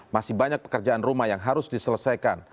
masih banyak pekerjaan rumah yang harus diselesaikan